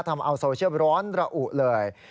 ทำเอาโซเชียลร้อนระอุเลย